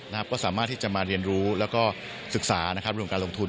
ก็สามารถที่จะมาเรียนรู้แล้วก็ศึกษานะครับเรื่องของการลงทุน